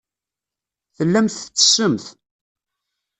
Tellamt tettessemt.